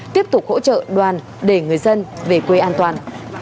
tiếp tục hỗ trợ đoàn để người dân về quê an toàn